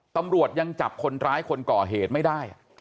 ตำรวจยังจับคนร้ายคนก่อเหตุไม่ได้